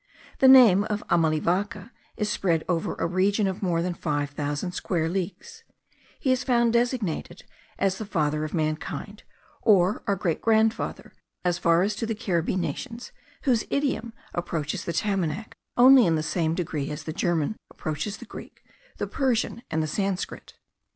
The name of Amalivaca is spread over a region of more than five thousand square leagues; he is found designated as the father of mankind, or our great grandfather, as far as to the Caribbee nations, whose idiom approaches the Tamanac only in the same degree as the German approaches the Greek, the Persian, and the Sanscrit.